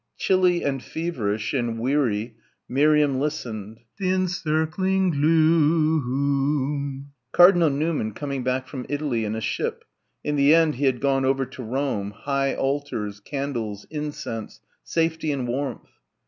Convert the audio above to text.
Chilly and feverish and weary Miriam listened ... "the encircling glooo om" ... Cardinal Newman coming back from Italy in a ship ... in the end he had gone over to Rome ... high altars ... candles ... incense ... safety and warmth....